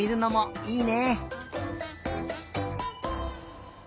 いいね！